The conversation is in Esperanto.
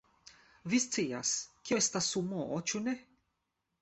Vi scias, kio estas sumoo, ĉu ne?